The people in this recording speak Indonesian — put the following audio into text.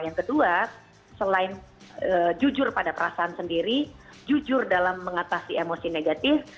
yang kedua selain jujur pada perasaan sendiri jujur dalam mengatasi emosi negatif